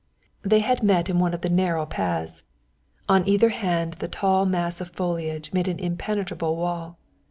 They had met in one of the narrow paths. On either hand the tall mass of foliage made an impenetrable wall.